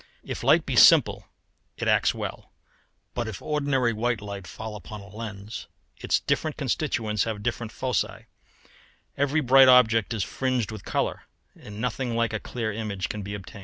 If light be simple it acts well, but if ordinary white light fall upon a lens, its different constituents have different foci; every bright object is fringed with colour, and nothing like a clear image can be obtained.